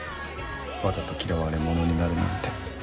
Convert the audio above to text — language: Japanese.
わざと嫌われ者になるなんて。